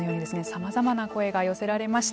さまざまな声が寄せられました。